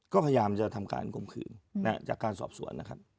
ก็พยายามจะทำการกลมคืนจากการสอบสวน